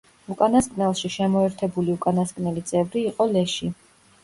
უკანასკნელში შემოერთებული უკანასკნელი წევრი იყო ლეში.